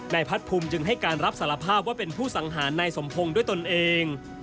พัดภูมิจึงให้การรับสารภาพว่าเป็นผู้สังหารนายสมพงศ์ด้วยตนเอง